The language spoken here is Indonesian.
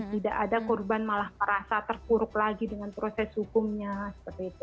tidak ada korban malah merasa terpuruk lagi dengan proses hukumnya seperti itu